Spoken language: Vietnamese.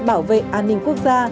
bảo vệ an ninh quốc gia